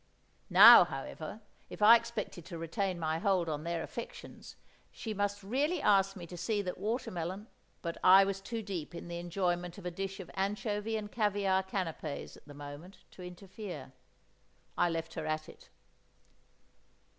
Now, however, if I expected to retain my hold on their affections, she must really ask me to see that water melon—— But I was too deep in the enjoyment of a dish of anchovy and caviare canapes at the moment to interfere. I left her at it.